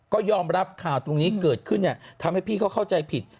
ก็ยอมรับข่าวตรงนี้เกิดขึ้นเนี่ยทำให้พี่เขาเข้าใจผิด